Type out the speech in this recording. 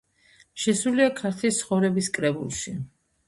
შესულია „ქართლის ცხოვრების“ კრებულში.